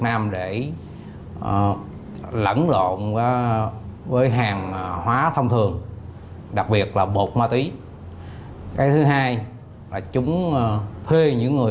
nam để lẫn lộn với hàng hóa thông thường đặc biệt là bột ma túy cái thứ hai là chúng thuê những người